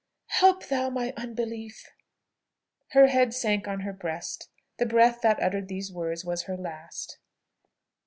Help thou my unbelief!" Her head sank on her breast. The breath that uttered these words was her last.